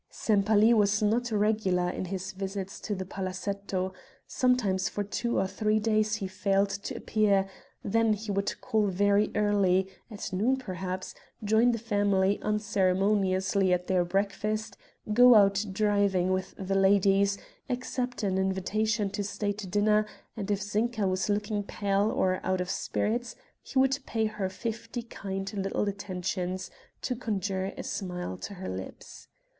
Sempaly was not regular in his visits to the palazetto; sometimes for two or three days he failed to appear, then he would call very early at noon perhaps, join the family unceremoniously at their breakfast, go out driving with the ladies, accept an invitation to stay to dinner, and if Zinka was looking pale or out of spirits, he would pay her fifty kind little attentions to conjure a smile to her lips.